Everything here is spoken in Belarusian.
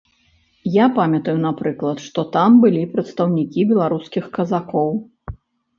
Я памятаю, напрыклад, што там былі прадстаўнікі беларускіх казакоў.